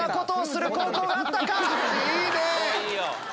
いいね！